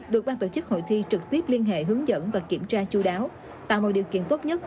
được ban tổ chức hội thi trực tiếp liên hệ hướng dẫn và kiểm tra chú đáo tạo mọi điều kiện tốt nhất